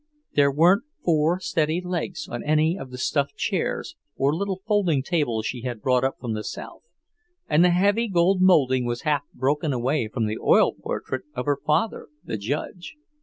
There weren't four steady legs on any of the stuffed chairs or little folding tables she had brought up from the South, and the heavy gold moulding was half broken away from the oil portrait of her father, the judge.